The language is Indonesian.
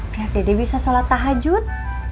kayak dede bisa sholat tahajud